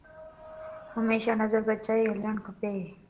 ھميشا نظر بچائي ھلڻ کپ